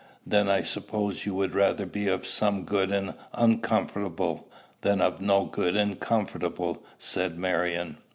"Then I suppose you would rather be of some good and uncomfortable, than of no good and comfortable?" said Marion.